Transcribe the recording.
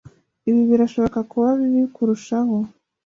Ibi birashobora kuba bibi kurushaho?